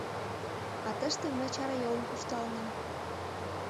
А тыште мый чарайолын куржталынам!